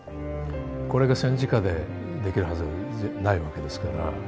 これが戦時下でできるはずないわけですから。